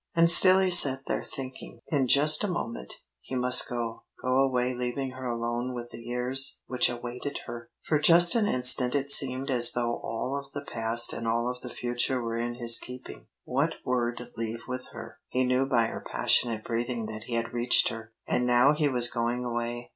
And still he sat there, thinking. In just a moment he must go go away leaving her alone with the years which awaited her. For just an instant it seemed as though all of the past and all of the future were in his keeping. What word leave with her? He knew by her passionate breathing that he had reached her. And now he was going away.